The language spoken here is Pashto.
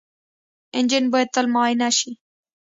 انجن باید تل معاینه شي.